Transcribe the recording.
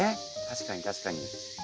確かに確かに。